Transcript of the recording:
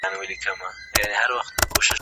هم یې ماڼۍ وې تر نورو جګي